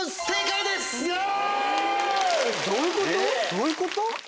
どういうこと？